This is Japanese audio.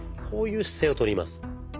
こういう姿勢をとります。